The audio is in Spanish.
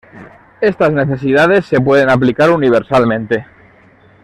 Estas necesidades se pueden aplicar universalmente.